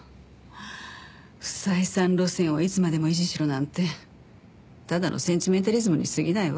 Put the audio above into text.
不採算路線をいつまでも維持しろなんてただのセンチメンタリズムに過ぎないわ。